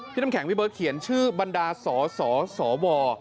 น้ำแข็งพี่เบิร์ตเขียนชื่อบรรดาสสว